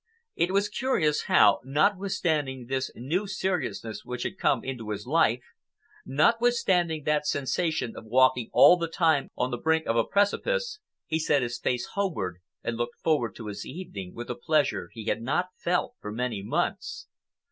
It was curious how, notwithstanding this new seriousness which had come into his life, notwithstanding that sensation of walking all the time on the brink of a precipice, he set his face homeward and looked forward to his evening, with a pleasure which he had not felt for many months.